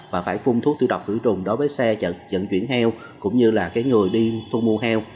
và phải phun thuốc tử độc cử trùng đối với xe dẫn chuyển heo cũng như là cái người đi thu mua heo